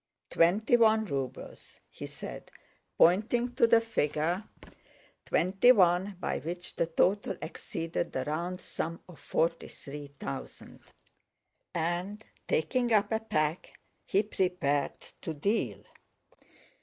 Twenty one rubles," he said, pointing to the figure twenty one by which the total exceeded the round sum of forty three thousand; and taking up a pack he prepared to deal.